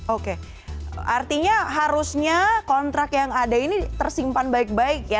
oke artinya harusnya kontrak yang ada ini tersimpan baik baik ya